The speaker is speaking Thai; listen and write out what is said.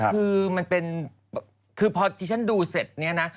คือมันเป็นคือพอที่ฉันดูเสร็จเนี่ยนะ